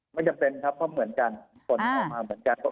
ไม่จำเป็นครับเพราะเหมือนกันผลออกมาเหมือนกัน